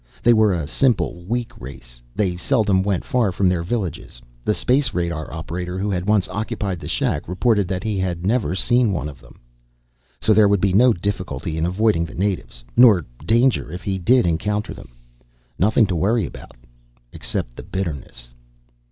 They were a simple, weak race. They seldom went far from their villages; the space radar operator who had once occupied the shack reported that he had never seen one of them. So, there would be no difficulty in avoiding the natives, nor danger if he did encounter them. Nothing to worry about, except the bitterness.